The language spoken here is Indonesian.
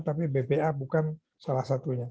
tapi bpa bukan salah satunya